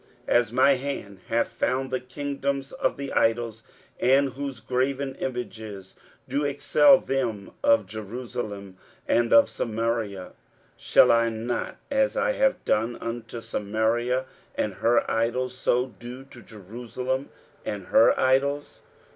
23:010:010 As my hand hath found the kingdoms of the idols, and whose graven images did excel them of Jerusalem and of Samaria; 23:010:011 Shall I not, as I have done unto Samaria and her idols, so do to Jerusalem and her idols?